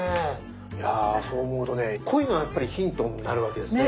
いやそう思うとねこういうのはやっぱりヒントになるわけですね。